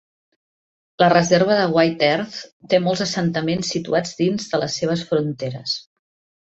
La Reserva de White Earth té molts assentaments situats dins de les seves fronteres.